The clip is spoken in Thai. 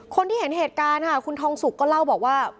คนที่เห็นเหตุการณ์ค่ะคุณทองสุกก็เล่าบอกว่า